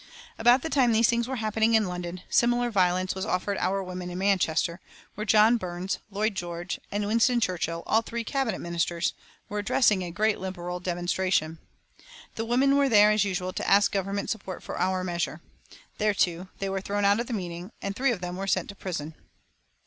About the time these things were happening in London, similar violence was offered our women in Manchester, where John Burns, Lloyd George, and Winston Churchill, all three Cabinet Ministers, were addressing a great Liberal demonstration. The women were there, as usual, to ask government support for our measure. There, too, they were thrown out of the meeting, and three of them were sent to prison.